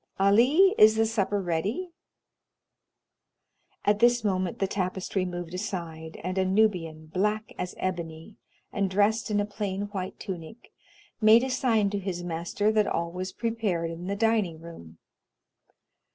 Ali, is the supper ready?" At this moment the tapestry moved aside, and a Nubian, black as ebony, and dressed in a plain white tunic, made a sign to his master that all was prepared in the dining room.